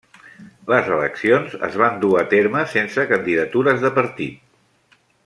Les eleccions es va dur a terme sense candidatures de partit.